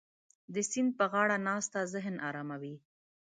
د سیند په غاړه ناسته ذهن اراموي.